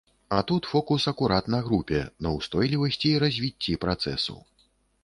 А тут фокус акурат на групе, на ўстойлівасці і развіцці працэсу.